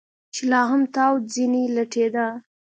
چې لا هم تاو ځنې لټېده.